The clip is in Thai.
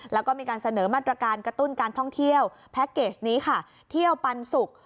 แล้วก็มีการเสนอมาตรการกระตุ้นการท่องเที่ยวแพ็คเกจนี้ค่ะเที่ยวปันสุก